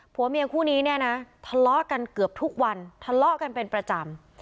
ผัวเมียคู่นี้เนี่ยนะทะเลาะกันเกือบทุกวันทะเลาะกันเป็นประจำ